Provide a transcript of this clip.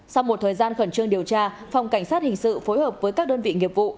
sau một thời gian khẩn trương điều tra phòng cảnh sát hình sự phối hợp với các đơn vị nghiệp vụ